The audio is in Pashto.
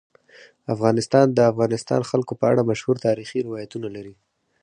افغانستان د د افغانستان جلکو په اړه مشهور تاریخی روایتونه لري.